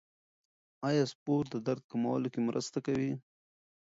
آیا سپورت د درد کمولو کې مرسته کوي؟